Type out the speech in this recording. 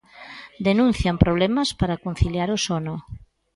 Denuncian problemas para conciliar o sono.